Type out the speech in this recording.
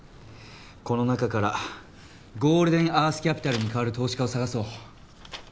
この中からゴールデンアースキャピタルに代わる投資家を探そう。